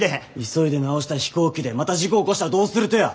急いで直した飛行機でまた事故起こしたらどうするとや！